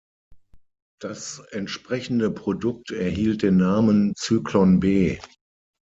Das entsprechende Produkt erhielt den Namen „Zyklon B“.